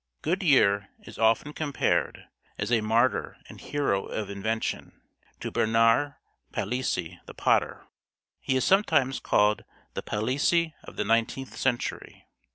Goodyear is often compared, as a martyr and hero of invention, to Bernard Palissy the potter. He is sometimes called "the Palissy of the nineteenth century."